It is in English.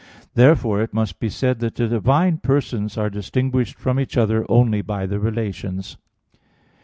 Therefore it must be said that the divine persons are distinguished from each other only by the relations.